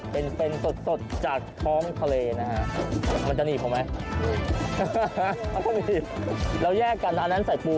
เป็นเฟรนด์สดจากท้อมทะเลนะครับ